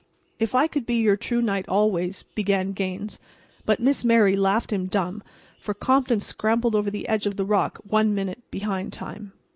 "If I could be your true knight always," began Gaines, but Miss Mary laughed him dumb, for Compton scrambled over the edge of the rock one minute behind time.